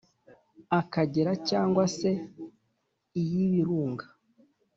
akagera cyangwa se iy’ibirunga